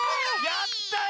やったよ！